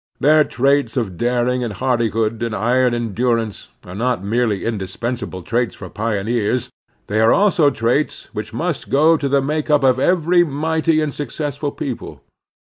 Their traits of daring and hardihood and iron endurance are not merely indispensable traits for pioneers; they are also traits which must go to the make up of every mighty and successful people.